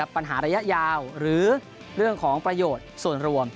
ปัญหาระยะยาวหรือเรื่องของประโยชน์ส่วนรวม